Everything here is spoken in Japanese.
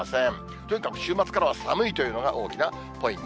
というか、週末からは寒いというのが大きなポイント。